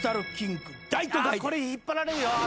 これ引っ張られるよ頭。